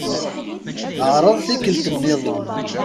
Ɛṛeḍ tikkelt-nniḍen.